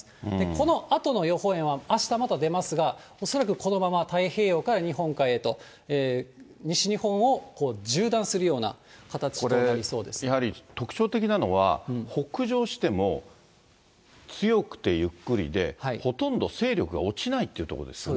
このあとの予報円はあしたまた出ますが、恐らくこのまま太平洋から日本海へと西日本を縦断するような形とこれ、やはり特徴的なのは、北上しても、強くてゆっくりで、ほとんど勢力が落ちないというところですね。